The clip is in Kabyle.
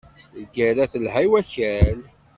Lgerra telha i wakal.